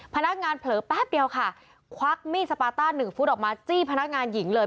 พนักงานเผลอแป๊บเดียวค่ะควักมีดสปาต้าหนึ่งฟุตออกมาจี้พนักงานหญิงเลย